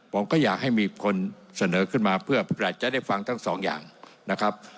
ผมก็อยากให้มีคนเสนอขึ้นมาเพื่ออภิปรายจะได้ฟังทั้งสองอย่างนะครับ